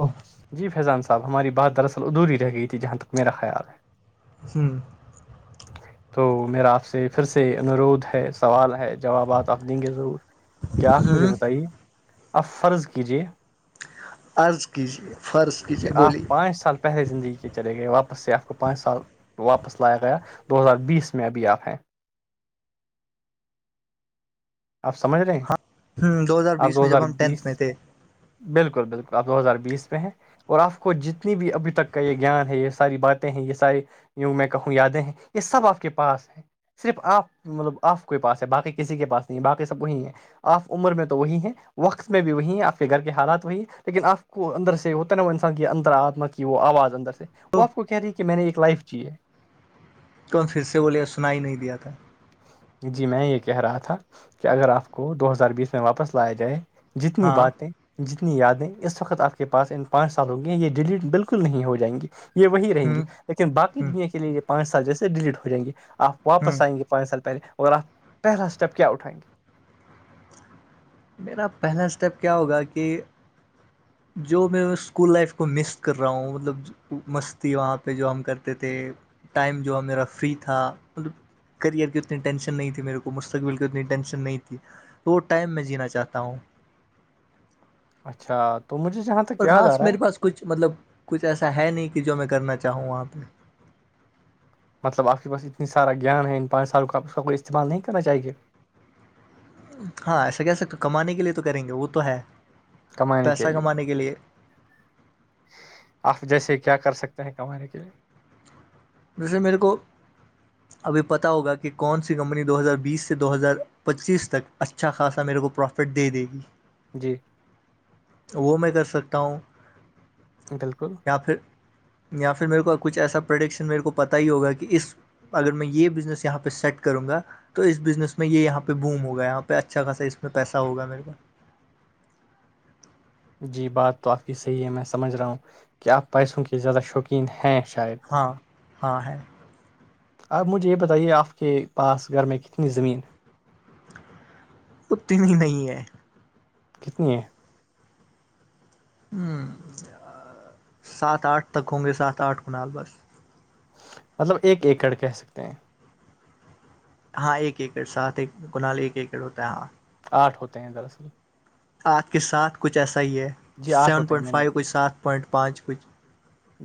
او جی فیضان صاحب ہماری بات دراصل ادور رہ گئی تھی جہاں تک میرا خیال ہے ہوں تو میرا آپ سے پھر سے انورودھ ہے سوال ہے جوابات آپ دیں گے ضرور کیا آپ مجھے بتائیے آپ فرض کیجے عرض کیجیے فرض کہ کیجیے آپ بولیے پانچ سال پہلے زندگی کے چلے گئے واپس سے آپ کو پانچ سال واپس لایا گیا دو ہزار بیس میں ابھی آپ ہیں آپ سمجھ رہے ہیں ہوں دو ہزار بیس میں جب ہم ٹینتھ میں تھے بالکل بالکل آپ دو ہزار بیس میں ہیں اور آپ کو جتنی بھی ابھی تک کا یہ گیان ہے یہ ساری باتیں ہیں یہ ساری یوں میں کہوں یادیں ہیں یہ سب آپ کے پاس ہیں صرف آپ مطلب آپ کے پاس ہے باقی کسی کے پاس نہیں ہے باقی سب وہیں ہیں آف عمر میں تو وہی ہیں وقت میں بھی وہی آپ کے گھر کے حالات وہی لیکن آپ کو اندر سے ہوتا ہے نا وہ انسان کے اندر آتمت وہ آواز اندر سے وہ آپ کو کہہ رہی ہے کہ میں نے ایک لائف چی ہے تو ہم پھر سے بوولے سنا ہی نہیں دیا تھا جی میں یہ کہہ رہا تھا کہ اگر آپ کو دو ہزار بیس میں واپس لایا جائے جتنی ہاں باتیں جتنی یادیں اس وقت آپ کے پاس ان پانچ سال ہووں گی ہیں یہ ڈیلیٹ بالکل نہیں ہو جائیں گی یہ وہی رہیں گے ہوں لیکن باقی ہ دنیا کے لیے یہ پانچ سال جیسے ڈیلیٹ ہو جائیں گے آپ ہ واپس آئیں گے پانچ سال پہلے اورگر آپ پہلا اسٹیپ کیا اٹھائیں گے میرا پہلا اسٹیپ کیا ہوگا کہ جو میں اسکول لائف کو مس کر رہا ہوں مطلب مستی وہاں پہ جو ہم کرتے تھے ٹائم جو ہے میرا فری تھا مطلب کرئر کی اتنی ٹینشن نہیں تھی میرے کو مستقبل کی اتنی ٹینشن نہیں تھی تو ٹائم میں جینا چاہتا ہوں اچھا تو مجھے جہاں تک اور یاد خاص آ رہا میرے ہے پاس کچھ مطلب کچھ ایسا ہے نہیں کہ جو میں کرنا چاہوں گ آپ میں مطلب آپ کے پاس اتنی سارا گیان ہے ان پانچ سال کاپ اس کا کو استعمال نہیں کرنا چاہیے ہاں ایسا کیسے کمانے کے لیے تو کریں گے وہ تو ہے کمانے کے لیے آپ جیسے کیا کر سکتے ہیں کمانے کے لیے جیسے میرے کو [unintelligible] ابھی پتا ہوگا کہ کون سی کمپنی دو ہزار بیس سے دو ہزار پچیس تک اچھا خاصا میرے کو پرافٹ پھر دے دے گی جی وہ میں کر سکتا ہوں بالکل یا پھر یا پھر میرے کو کچھ ایسا پروڈکشن میرے کو پتاہ ہی ہوگا کہ اس اگر میں یہ بزنس یہاں پہ سیٹ کروں گا تو اس بزنس میں یہاں پہ بوم ہوگا یہاں پہ اچھا خاصا میں پیسہ ہوگا میرے کو جی بات تو آپ کی صحیح ہے میں سمجھ رہا ہوں کہ آپ پیسوں کے زیادہ شوقین کن ہ شاید ہاں ہاں ہے آپ مجھے یہ بتائیے آپ کے پاس گھر میں کتنی زمین ہے پت نہیں نہیں ہے کتنی ہے ہوں سات آٹھ تک ہوں گے سات آٹھ کنال بس مطلب ایک ایکڑ کہہ سکتے ہیں ہاں ایک ایکڑ ساتھ ایک کنال ایکڑ ہوتا ہے ہاں آٹھ ہوتے ہیں دراصل آپھ کے ساتھ کچھ ایسا ہی ہے جی آٹھ سیون ہوتے ہیں پوائنٹ میں نے فائیو کچھ سات پوائنٹ پانچ کچھ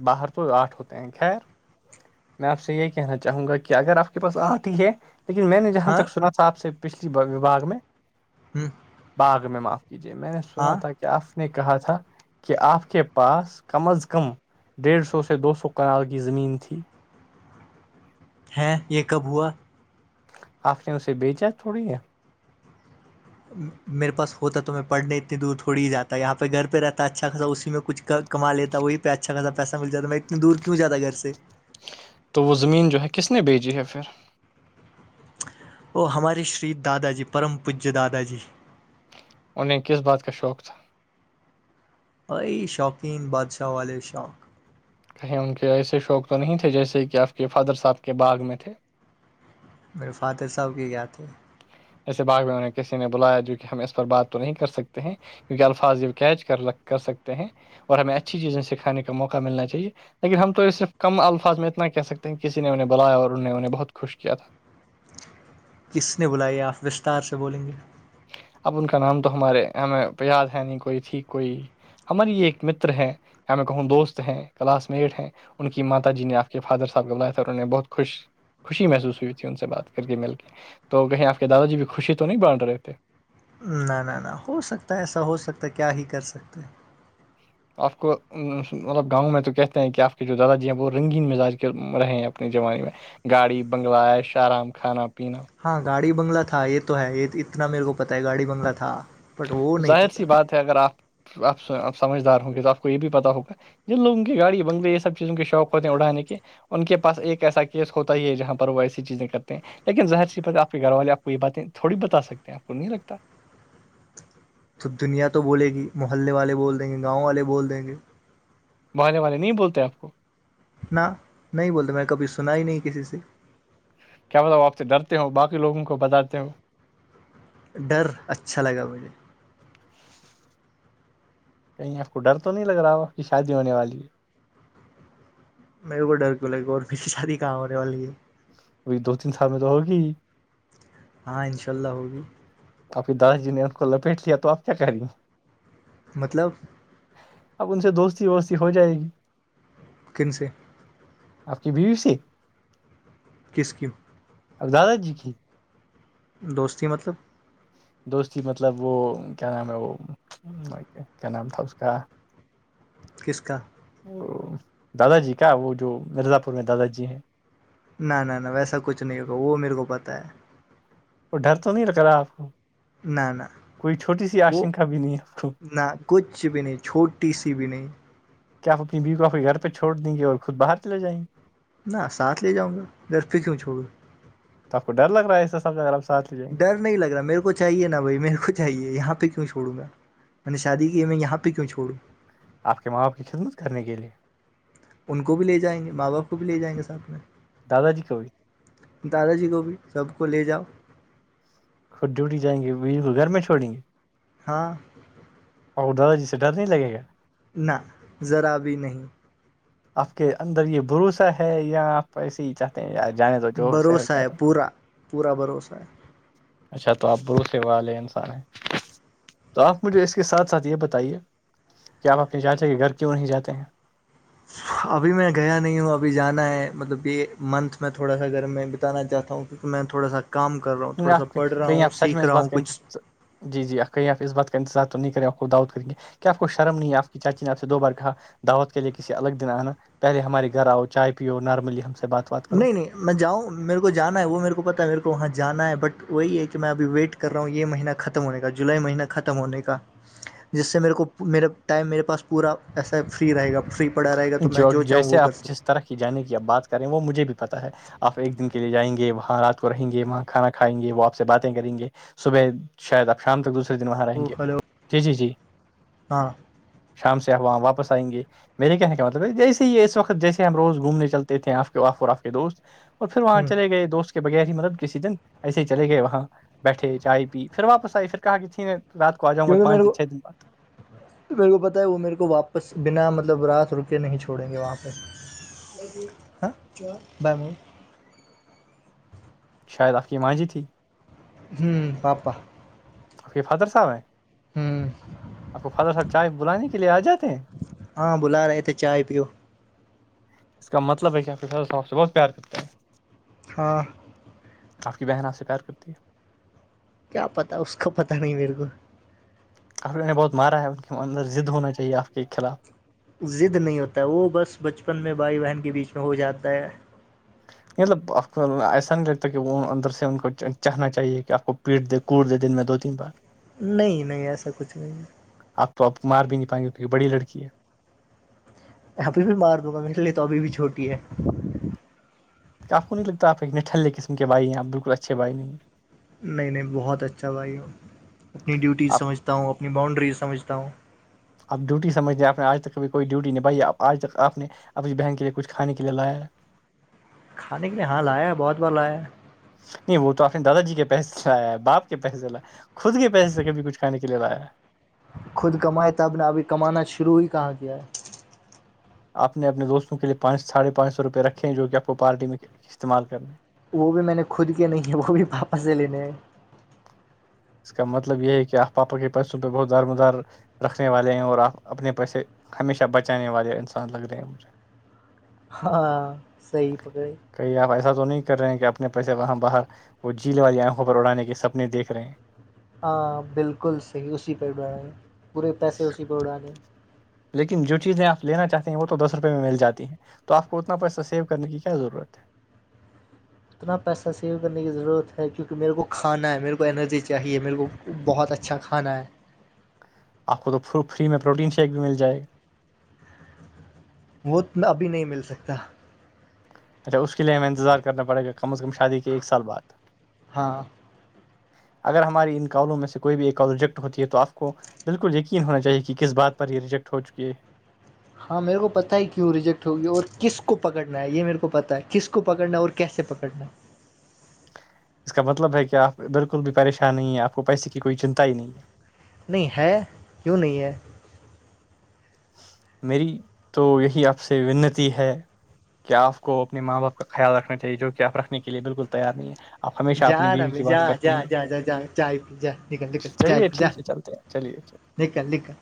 باہر تو آٹھ ہوتے ہیں خیر میں آپ سے یہی کہنا چاہوں گا کہ اگر آپ کے پاس آتی ہے لیکن میں نے جہاں ہاں تک سنا تھا آپ سے پچھلی وباگ میں ہوں باغ میں معاف کیجے میں نے سنا ہاں تھا کہ کیا آپ نے کہا تھا کہ آپ کے پاس کم از کم ڈیڑھ سو سے دو سو کنال کی زمین تھی ہے یہ کب ہوا آخ چ اس سے بیچ جات تھوڑی یہ میرے پاس ہوتا تو میں پڑھنے اتنی دور تھوڑی ہی جاتا ہے یہاں پہ گھر پہ رہتا ہے اچھا خاصا اسی میں کچھ کماتا وہی پہ اچھا پیسہ مل جا میں اتنی دور کیوں جاتا گھر سے تو وہ زمین جو ہے کس نے بیجی ہے پھر او ہمارے شری دادا جی پرم پوجیہ دادا جی انہیں کس بات کا شوق تھا بئی شوقین بادشاہ والے شوق کہیں ان کے ایسے شوق تو نہیں تھے جیسے کہ آپ کے فادر صاحب کے باغ میں تھے میرے فادر صاحب کے گیا تھے ایسے باغ میں انہیں کسی نے بلایا جو کہ ہم اس پر بات تو نہیں کر سکتے ہیں کیونکہ الفاظ یہ کیچ کر کر سکتے ہیں اور ہمیں اچھی چیزیں سکھانے کا موقع ملنا چاہیے لیکن ہم تو یہ صرف کم الفاظ میں اتنا کہہ سکتے ہیں کہ کسی نے انہیں بلایا اور انہوں انہیں بہت خوش کیا تھا کس نے بلائی آپ وستار سے بولیں گے اب ان کا نام تو ہمارے ہمیں یاد ہے نہیں کوئی تھی کوئی ہماری یہ ایک مر ہے میں کہوں دوست ہیں کلاس میٹ ہیں ان کی ماتا جی نے آپ کے فادر صحب بلایا تھا اور انہ نے بہت خوش خوشی محسوس ہوئی تھی ان سے بات کر کے مل کے تو کہیں آپ کے دادا جی بھی خوشی تو نہیں بانھ رہے [unintelligible] نہ نہ نہ ہو سکتا ہے ایسا ہو سکتا ہے کیا ہی کر سکتے آپ کو مطلب گاؤں میں تو کہتے ہیں کہ آپ کے جو داداجی ہیں وہ رنگین مزاج کے رہے ہیں اپنے زمانے میں گاڑی بنگلہ ایش آرام کھانا پینا ہاں گاڑی بنگلہ تھا یہ تو ہے یہ اتنا میرے کو پتہ ہے گاڑی بنگلہ تھا بٹ وہ نہیں ظاہر پتہ سی بات ہے اگر آپ آپپ سمجھدار ہوں گے تو آپ کو یہ بھی پتا ہوگا جن لوگ ان کی گاڑی بنلے یہ سب چیزوں کے شوق ہوتے ہیں اڑھے کے ان کے پاس ایک ایسا کیس ہوتا ہی ہے جہاں پر وہ ایسی چیزیں کرتے ہیں لیکن ظر سی ب آ کے گھر والے آپ کو یہ باتیں تھوڑی بتا سکتے ہیں آپ کو نہیں لگتا تو دنیا تو بولے گی محلے والے بول دیں گے گاؤں والے بول دیں گے بے والے نہیں بولتے آپ کو نہ نہیں بولتے میں نے کبھی سنا ہی نہیں کسی سے کیا بتا وہ آپ سے ڈرتے ہو باقی لوگوں کو بتاتے ہو ڈر اچھا لگا مجھے کہیں آپ کو ڈر تو نہیں لگ رہا ہو آپ کی شادی ہونے والی ہے میرے کو ڈر کیوںگے اور پھر شادی کام ہونے والی ہے وہی دو تین سال میں تو ہوگی ہاں انشاء اللہ ہوگی آپنی دادا جی نے ان کو لپیٹ لیا تو آپ کیا کریںیے مطلب اب ان سے دوستی ووستی ہو جائے گی کن سے آپ کی بیوی سی کس کیو اور دادا جی کی [unintelligible] دوستی مطلب دوستی مطلب وہ کیا نام ہے وہ کیا نام تھا اس کا [inaudible] کس کا وہ دادا جی کا وہ جو مرزا پور میں دادا جی ہیں نہ نہ نہ ویسا کچھ نہیں ہوگا وہ میرے کو پتا ہے اور ڈر تو نہیں لگ رہا آپ کو نہ نہ کوئی چھوٹی سی وہ آشنکا بھی نہیں آپ کو نہ کچھ بھی نہیں چھوٹی سی بھی نہیں کیا آپ اپنی بیو کو آ کے گھر پہ چوڑ دیں گے اور خود باہر چے جائیں گے نہ سات لے جاؤں گا گھر پھر کیوں چھوڑو آب کو ڈر لگ رہا ہے سب کا سھ ڈر نہیں لگ رہا میرے کو چاہیے نا بھائی میرے کو چاہیے یہاں پہ کیوں چھوڑوں گا میں نے شادی کی میں یہاں پہ کیوں چھوڑوں آپ کے ماں بپ کی خدمت کرنے کے لئے ان کو بھی لے جائیں گے ماں باپ کو بھی لے جائیں گے ساتھ میں دادا جی کوو دادا جی کو بھی سب کو لے جاؤ خود ڈیوٹی جائیں گے کو گھر میں چھوڑیں گے ہاں ادر جی س ڈر نہیں لگے گا نہ ذرا بھی نہیں آپ کے اندر یہ بھروسا ہے یا آپ ایسے ہی چ جنے تو جو س بھروسہ کیا ہے پورا پورا بھروسہ ہے اچھا تو آپ برو سیو والے انسان ہیں تو آپ مجھے اس کے ساتھ ساتھ یہ بتائیے کہ آپ اپنے چاچا کے گھر کیوں نہیں جاتے ہیں ابھی میں گیا نہیں ہوں ابھی جانا ہے مطلب یہ منتھ میں تھوڑا سا اگر میں بتانا چاہتا ہوں میں تھوڑا سا کام کر رہا ہوں نہیں، تھوڑا آپ س پڑھ رہا کہیں ہوں آپ سچ میں سیکھ اس رہا بات ہوں کا کچھ انتظ- جی جی آیں آپ اس بات کا انتظار تو نہیں کریں آپ خود دعوت کریے کیا آپ کو شرم نہیں آپ کی چاچی نے آپ سے دو بار کہا دعوت کے لیئے کسی الگ دن آنا پہلے ہمارے گھر آؤ چائے پیو نارملی ہم سے بات بات کرو نہیں نہیں میں جاؤں میرے کو جانا ہے وہ میرے کو پتا ہے میرے کو وہاں جانا ہے بٹ وہی ہے کہ میں ابھی ویٹ کر رہا ہوں یہ مہینہ ختم ہونے کا جولائی مہینہ ختم ہونے کا جس سے میرے کو میرا ٹائم میرے پاس پورا ایسا فری رہے گا فری پڑا رہےا تو میں جو چاہوں وہ کرکتا ترقی جانے کی اب بات کریں وہ مجھے بھی پتہ ہے آپ ایک دن کے لیے جائیں گے وہاں رات کو رہیں گے وہاں کھانا کھائیں گے وہ آپ سے باتیں کریں گے صبح شاید آپ شام تک دوسرے دن وہاں رہیں ہوں گے ہلو جی جی جی ہاں شام سے واپس آئیں گے میرے کہنے کا مطلب ہے جیسے یہ اس وقت جیسے ہم روز گھومنے چلتے تھے آپ کے آاف اور آپ کے دوست اور پھر وہاں ہوں چلے گئے دوست کے بغیر ہی مطلب کسی دن ایسے ہی چلے گئے وہاں بیٹھے چائے پی پھر واپس آئی پھر کہا کہ تھی نے رات کو آ جاںا کیونکہ پانچ میرے دن کو چھ دن بد میرے کو پتا ہے وہ میرے کو واپس بنا مطلب رات رکے نہیں چھوڑیں گے وہاں پہ ہاں بائے م [unintelligible] شاید آپ کی مانجی تھی ہوں پپا آپ کے فادر صاحب ہیں ہوں [unintelligible] آپ کو فالر صاحب چائے بلانے کے لیے آ جاتے ہیں ہاں بلا رہے تھے چائے پیو اس کا مطلب ہے کہاپ سے بہت پیار کرتے ہیں ہاں آپ کی بہن آ سے پیار کرتی ہے کیا پتا اس کا پتاہ نہیں میرے کو آپر نے بہت مارا ہے ان کے اندر ضد ہونا چاہیے آپ کے خلاف زد نہیں ہوتا ہے وہ بس بچپن میں بھائی بہن کے بیچ میں ہو جاتا ہے مطلب آپ کو ایسا نہیں لگتا کہ وہ اندر سے ان کو چاہنا چاہیے کہ آپ کو پیٹ دے کوٹ دن میں دو تین بار نہیں نہیں ایسا کچھ نہیں ہے آپ تو آپ کو مار بھی نہیں پائیںے تو ایک بڑی لڑکی ہے ابھی میں مار دوں گا میرے لیے تو ابھی بھی چھوٹی ہے آپ کو نہیں لگتا آپ اتنے ٹھے قسم کے بھائی ہیں آپ بالکل اچھے بھائی نہیں ہیں نہیں نہیں بہت اچھا بھائی اپنی ڈیوٹی آپ سمجھتا ہوں اپنی باؤنڈری سمجھتا ہوں آپ ڈیوٹی سمجھ د آپ نے آج تک ک بھیھی کوئی ڈیوٹی نہیں بھائیپ آج تک آپ نے اب اس بہن کے لیے کچھان کے لیے لایا ہے کھانے کے لیے ہاں لایا ہے بہت بار لایا ہے نہیں وہ تو اپپنے دادا جی کے پیسے لیا ہے باپ کے پیسے ل خود کے پیسے سے کبھی کچھ کانے کے لیے لایا ہے خود کمائے تب نے ابھی کمانا شروع ہی کہاں کیا ہے اپنے اپنے دوستوں کے لیے پانچ ساڑھے پانچ سوپئے رکھے ہیں جو کہ آپ کو پارٹی میں استعمال کرنے ہے وہ بھی میں نے خود کے نہیں ہے وہ بھی پاپس سے لینے ہیں اس کا مطلب یہ ہے کہ آپ پاپا کے پیسوں پہ بہت دار مدار رکھنے والے ہیں اور آپ اپنے پیسے ہمیشہ بچانے والے انسان لگ رہے ہیں مجھے [inaudible] ہاں صی پکے کئی آپ ایسا تو نہیں کر رہے ہیں کہ اپنے پیسے وہاں باہر وہ جھیل والی آنکھوں پر اڑانے کے سپنے دیکھ رہے ہیں ہاں بالکل صحیح اسی پہ اائیں پورے پیسے اسی پہ اڑان دیں لیکن جو چیزیں آپ لینا چاہتے ہیں وہ تو دس روپئے میں مل جاتی ہیں تو آپ کو اتنا پیسہ سیو کرنے کی کیا ضرورت ہے اتنا پیسہ سیو کرنے کی ضرورت ہے کیونکہ میرے کو کھانا ہے میرے کو انرجی چاہیے میرے کو بہت اچھا کھانا ہے آپ کو تو فری میں پروٹین شیک بھی مل جائے گا وہ ابھی نہیں مل سکتا اچھا اس کے لیے ہمیں انتظار کرنا پڑے گا کم از کم شادی کے ایک سال بعد ہاں اگر ہماری ان کالوں میں سے کوئی بھی ایک آوجیکٹ ہوتی ہے تو آپ کو بالکل یقین ہونا چاہیے کہ کس بات پر یہ ریجیکٹ ہو چکی ہے ہاں میرے کو پتاہ ہے کیوں ریجیکٹ ہوگی اور کس کو پکڑنا ہے یہ میرے کو پتا ہے کس کو کو پکڑنا اور کیسے پکڑنا اس کا مطلب ہے کہ آپ بالکل بھی پریشان نہیں ہے آپ کو پیسے کی کوئی چنتا ہی نہیں ہے نہیں ہے کیوں نہیں ہے میری تو یہی آپ سے ونتی ہے کیا آپ کو اپنے ماں باپ کا خیال رکھنا چاہیے جو کہ آپ رکھنے کے لیے بالکل تیار نہیں ہے آپ ہمیشہ جا اپنی بیوی ربھی کی جا بات کرتے جا ہیں جا جا جا چائے پ جا نک نکل چائے چلیے پ جا ٹھیک ہے چلتے ہیں چلیے چلیے لکھل لکھل